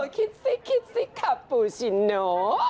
คิดซิคิดซิคาบปูชิโน